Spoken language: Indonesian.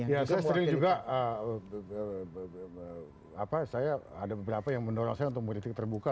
ya saya sering juga saya ada beberapa yang mendorong saya untuk politik terbuka